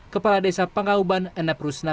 kepala desa pangauban enep rusna